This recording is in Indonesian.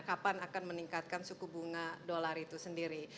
kapan akan meningkatkan suku bunga dolar itu sendiri